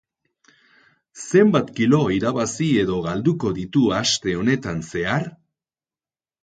Zenbat kilo irabazi edo galduko ditu aste honetan zehar?